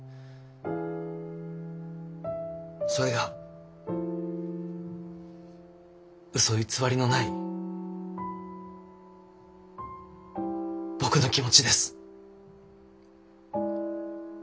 それがうそ偽りのない僕の気持ちです。